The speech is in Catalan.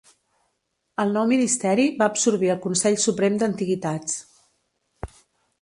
El nou ministeri va absorbir el Consell Suprem d'Antiguitats.